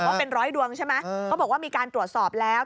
ว่าเป็นร้อยดวงใช่ไหมเขาบอกว่ามีการตรวจสอบแล้ว